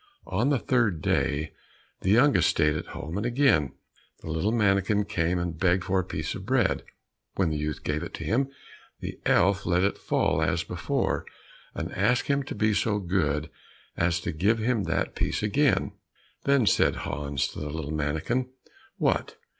On the third day, the youngest stayed at home, and again the little mannikin came and begged for a piece of bread. When the youth gave it to him, the elf let it fall as before, and asked him to be so good as to give him that piece again. Then said Hans to the little mannikin, "What!